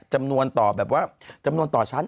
จำนวนต่อแบบว่าจำนวนต่อชั้น